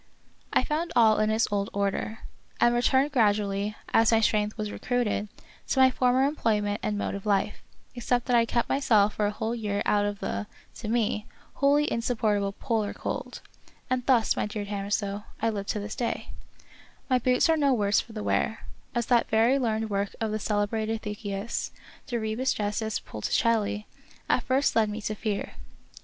I found all in its old order, and returned gradually, as my strength was recruited, to my former employment and mode of life, except that I kept myself for a whole year out of the, to me, wholly insupportable polar cold. And thus, my dear Chamisso, I live to this day. My 1 14 The Wonderful History boots are no worse for the wear, as that very learned work of the celebrated Tieckius, De Rebus Gestis Polticelli, at first led me to fear.